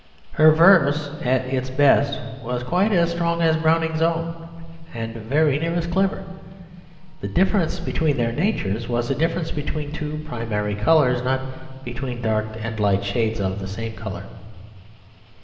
Her verse at its best was quite as strong as Browning's own, and very nearly as clever. The difference between their natures was a difference between two primary colours, not between dark and light shades of the same colour.